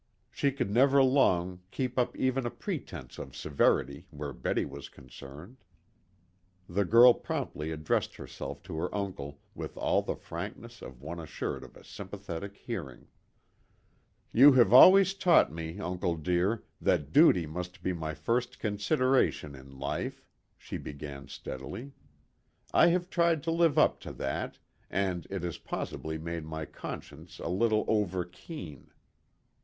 She could never long keep up even a pretense of severity where Betty was concerned. The girl promptly addressed herself to her uncle with all the frankness of one assured of a sympathetic hearing. "You have always taught me, uncle dear, that duty must be my first consideration in life," she began steadily. "I have tried to live up to that, and it has possibly made my conscience a little over keen."